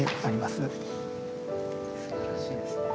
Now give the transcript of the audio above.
すばらしいですね。